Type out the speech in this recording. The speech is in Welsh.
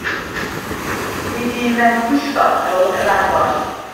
Mi fûm mewn pwyllgor ar ôl y cyfarfod.